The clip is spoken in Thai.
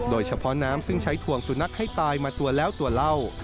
โดยเฉพาะน้ำซึ่งใช้ถ่วงสุนัขให้ตายมาตัวแล้วตัวเหล้า